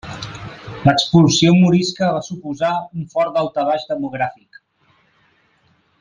L'expulsió morisca va suposar un fort daltabaix demogràfic.